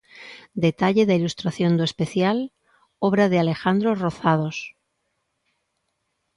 Detalle da ilustración do especial, obra de Alejandro Rozados.